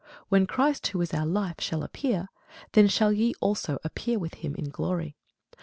When Christ, who is our life, shall appear, then shall ye also appear with him in glory.